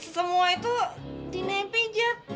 semua itu dinepe ija